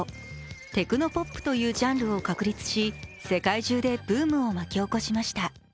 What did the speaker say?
テクノポップというジャンルを確立し、世界中でブームを巻き起こしました。